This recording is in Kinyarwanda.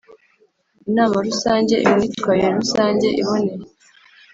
Inama rusange imyitwarire rusange iboneye